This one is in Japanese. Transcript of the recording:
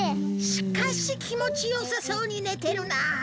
しかしきもちよさそうに寝てるな。